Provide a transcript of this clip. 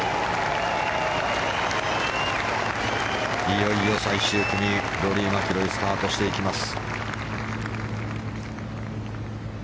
いよいよ最終組ローリー・マキロイがスタートしていきます。